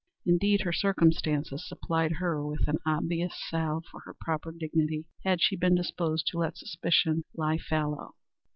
Indeed, her circumstances supplied her with an obvious salve for her proper dignity had she been disposed to let suspicion lie fallow.